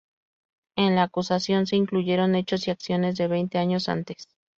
En la acusación se incluyeron hechos y acciones de veinte años antes.